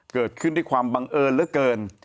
เกิดขึ้นด้วยความบังเอิญเหลือเกิน